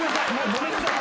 ごめんなさい。